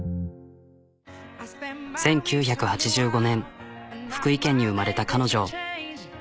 １９８５年福井県に生まれた彼女。